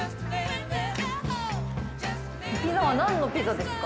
ピザは何のピザですか？